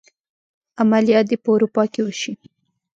عملیات دې په اروپا کې وشي.